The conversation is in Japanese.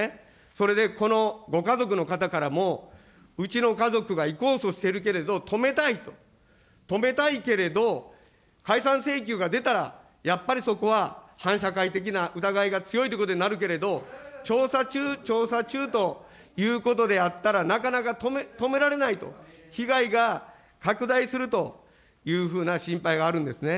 それでこのご家族の方からも、うちの家族が行こうとしてるけれど、止めたいと、止めたいけれど、解散請求が出たらやっぱりそこは反社会的な疑いが強いということになるけれど、調査中、調査中ということであったらなかなか止められないと、被害が拡大するというふうな心配があるんですね。